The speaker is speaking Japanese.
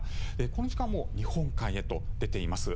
この時間もう日本海へと出ています。